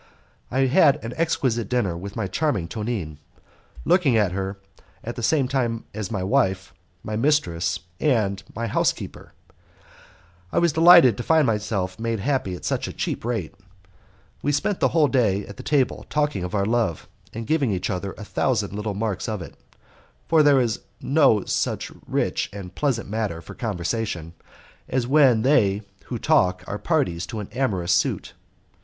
I had an exquisite dinner with my charming Tonine. Looking at her as at the same time my wife, my mistress, and my housekeeper, I was delighted to find myself made happy at such a cheap rate. We spent the whole day at the table talking of our love, and giving each other a thousand little marks of it; for there is no such rich and pleasant matter for conversation as when they who talk are parties to an amorous suit.